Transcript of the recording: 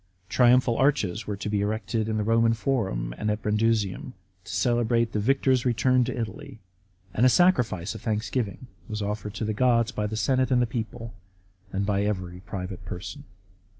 Triumphal arches were to be erected in the Eoman Forum and at Brundusium, to celebrate the victor's return to Italy; and a sacrifice of thanksgiving was offered to the gods by the senate and people, and by every private person.